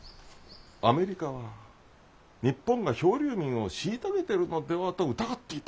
アメリカは日本が漂流民を虐げてるのではと疑っていた。